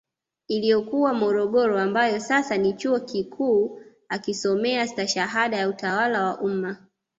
Iliyokuwa morogoro ambayo sasa ni chuo kikuum akisomea stashahada ya utawala wa umma